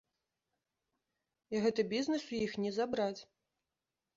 І гэты бізнес у іх не забраць!